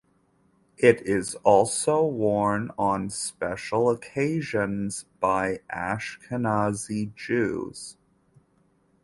It is also worn on special occasions by Ashkenazi Jews.